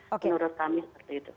menurut kami seperti itu